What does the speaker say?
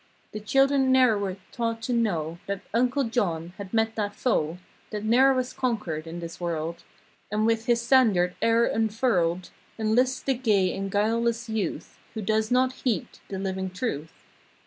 The children ne'er were taught to know That "Uncle John" had met that foe That ne'er was conquered in this world; And with his standard e'er unfurled. Enlists the gay and guileless youth Who does not heed the living truth.